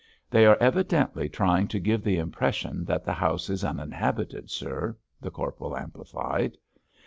"They are evidently trying to give the impression that the house is uninhabited, sir," the corporal amplified.